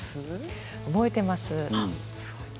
覚えています。